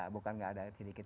bukan tidak ada sedikit